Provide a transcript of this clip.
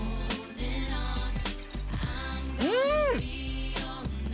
うん！